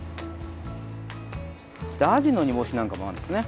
アジの煮干しなんかもあるんですね。